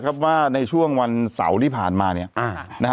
ใครทำ